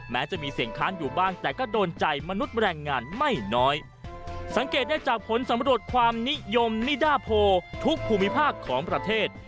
แม้จะมีเสียงค้านอยู่บ้างแต่ก็โดนใจมนุษย์แรงงานไม่น้อยสังเกตได้จากผลสำรวจความนิยมนิดาโพทุกภูมิภาคของประเทศ